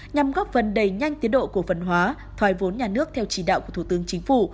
nhằm góp phần đầy nhanh tiến độ cổ phần hóa thoái vốn nhà nước theo chỉ đạo của thủ tướng chính phủ